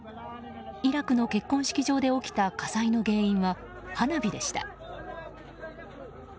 イラクの結婚式場で起きた火災の原因は、花火でした。